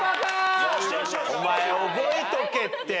お前覚えとけって。